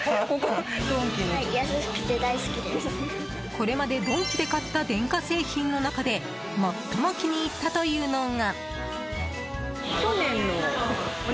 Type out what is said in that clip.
これまでドンキで買った電化製品の中で最も気に入ったというのが。